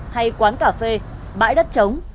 hay quán cà phê bãi đất trống